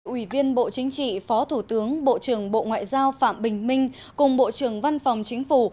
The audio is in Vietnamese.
ủy viên bộ chính trị phó thủ tướng bộ trưởng bộ ngoại giao phạm bình minh cùng bộ trưởng văn phòng chính phủ